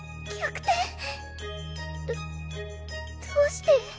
どどうして？